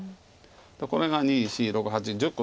これが２４６８１０個。